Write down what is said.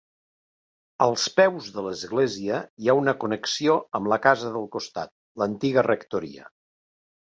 Als peus de l'església hi ha una connexió amb la casa del costat, l'antiga rectoria.